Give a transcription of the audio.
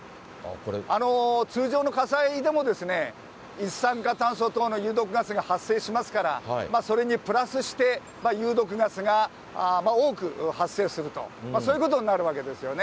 通常の火災でもですね、一酸化炭素等の有毒ガスが発生しますから、それにプラスして有毒ガスが多く発生すると、そういうことになるわけですよね。